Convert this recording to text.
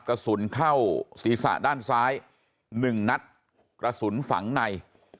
กระสุนเข้าศีรษะด้านซ้าย๑นัดกระสุนฝังใน